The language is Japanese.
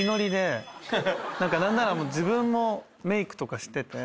何なら自分もメイクとかしてて。